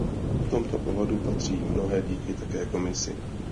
V tomto ohledu patří mnohé díky také Komisi.